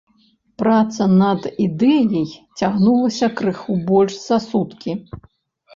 Праца над ідэяй цягнулася крыху больш за суткі.